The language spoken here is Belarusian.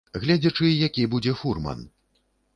Гледзячы які будзе фурман.